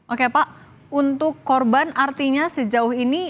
oke pak untuk korban artinya sejauh ini